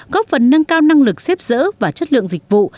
góp phần nâng cao năng lực xếp dỡ và chất lượng dịch vụ